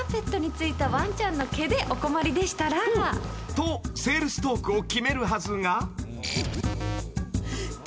［とセールストークを決めるはずが］